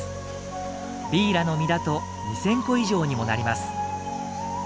ビーラの実だと２，０００個以上にもなります。